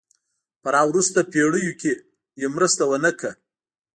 په را وروسته پېړیو کې یې مرسته ونه کړه.